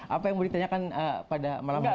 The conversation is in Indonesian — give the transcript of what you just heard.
apa yang mau ditanyakan pada malam hari ini